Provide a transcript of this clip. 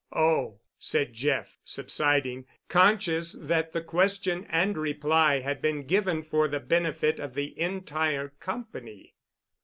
"Oh!" said Jeff, subsiding, conscious, that the question and reply had been given for the benefit of the entire company.